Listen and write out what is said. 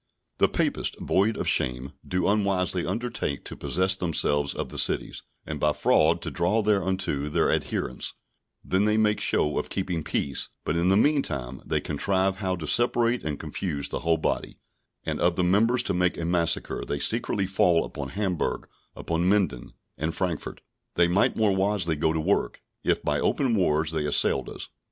The Papists, void of shame, do unwisely undertake to possess themselves of the cities, and by fraud to draw thereunto their adherents; then they make show of keeping peace, but in the meantime they contrive how to separate and confuse the whole body, and of the members to make a massacre; they secretly fall upon Hamburg, upon Minden, and Frankfort. They might more wisely go to work, if by open wars they assailed us.